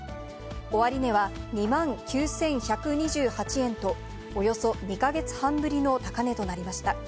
終値は２万９１２８円と、およそ２か月半ぶりの高値となりました。